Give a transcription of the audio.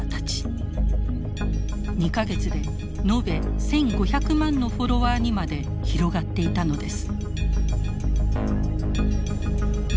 ２か月で延べ１，５００万のフォロワーにまで広がっていたのです。